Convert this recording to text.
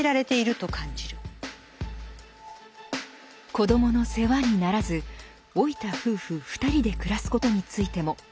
子どもの世話にならず老いた夫婦２人で暮らすことについても否定的です。